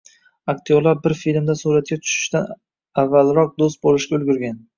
Aktyorlar bir filmda suratga tushishdan avvalroq do‘st bo‘lishga ulgurgan